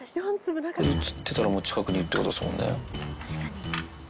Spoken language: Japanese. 写ってたら、もう近くにいるってことですもんね。